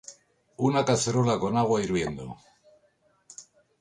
Una cacerola con agua hirviendo